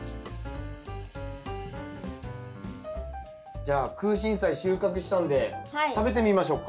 じゃあクウシンサイ収穫したんで食べてみましょうか。